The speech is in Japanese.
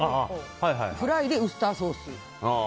フライでウスターソース。